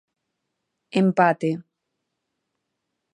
Empate.